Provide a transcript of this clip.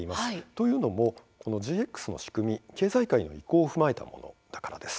というのもＧＸの仕組みは経済界の意向を踏まえたものだからです。